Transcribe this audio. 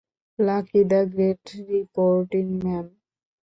Lucky the great, reporting, ma'am.